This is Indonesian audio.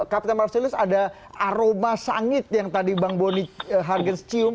kapten marcelius ada aroma sangit yang tadi bang boni hargens cium